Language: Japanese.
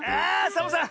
サボさん